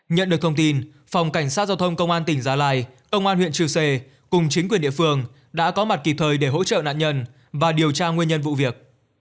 nhận được thông tin phòng cảnh sát giao thông công an tỉnh gia lai công an huyện chư sê cùng chính quyền địa phương đã có mặt kịp thời để hỗ trợ nạn nhân và điều tra nguyên nhân vụ việc